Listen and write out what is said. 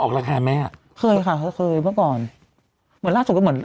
ออกรายการไหมอ่ะเคยค่ะเคยเมื่อก่อนเหมือนล่าสุดท้ายเหมือน